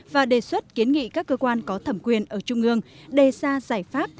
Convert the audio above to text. và đề xuất kiến nghị các cơ quan có thẩm quyền ở trung ương đề ra giải pháp